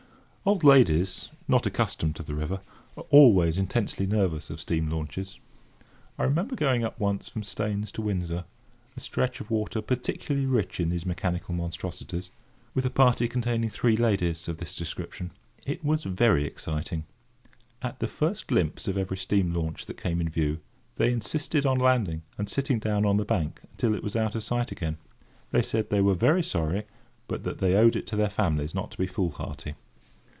Old ladies, not accustomed to the river, are always intensely nervous of steam launches. I remember going up once from Staines to Windsor—a stretch of water peculiarly rich in these mechanical monstrosities—with a party containing three ladies of this description. It was very exciting. At the first glimpse of every steam launch that came in view, they insisted on landing and sitting down on the bank until it was out of sight again. They said they were very sorry, but that they owed it to their families not to be fool hardy.